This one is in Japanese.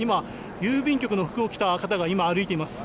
郵便局の服を着た方が歩いています。